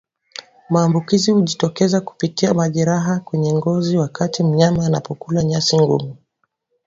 Maambukizi hujitokeza kupitia majeraha kwenye ngozi wakati mnyama anapokula nyasi ngumu